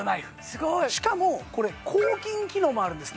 すごいしかもこれ抗菌機能もあるんです